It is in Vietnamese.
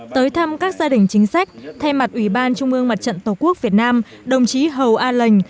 tới thăm các gia đình chính sách thay mặt ủy ban trung ương mặt trận tổ quốc việt nam đồng chí hầu a lệnh